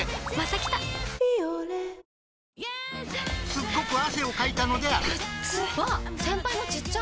すっごく汗をかいたのであるあっつ。